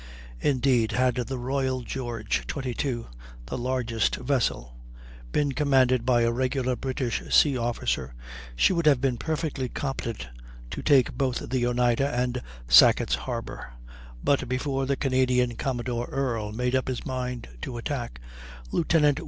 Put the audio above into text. Indeed, had the Royal George, 22, the largest vessel, been commanded by a regular British sea officer, she would have been perfectly competent to take both the Oneida and Sackett's Harbor; but before the Canadian commodore, Earle, made up his mind to attack, Lieut.